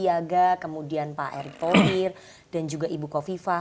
aga kemudian pak erick polir dan juga ibu kofifah